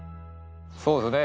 そうですね